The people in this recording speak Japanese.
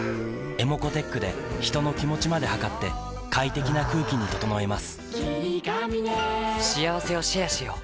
ｅｍｏｃｏーｔｅｃｈで人の気持ちまで測って快適な空気に整えます